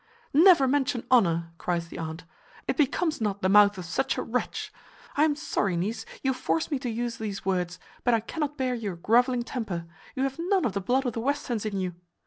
"Never mention honour," cries the aunt. "It becomes not the mouth of such a wretch. I am sorry, niece, you force me to use these words, but I cannot bear your groveling temper; you have none of the blood of the Westerns in you.